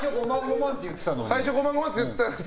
最初、５万５万って言ってたのに。